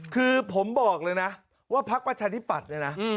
คือผมบอกเลยนะว่าพักประชาธิปัตย์เนี่ยนะ